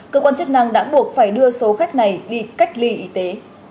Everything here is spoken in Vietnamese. cơ quan chức năng đã buộc phải đưa số khách này đi cách ly y tế